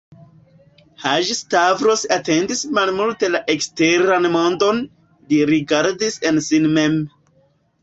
Haĝi-Stavros atentis malmulte la eksteran mondon: li rigardis en sin mem.